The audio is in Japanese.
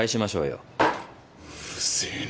うるせぇな。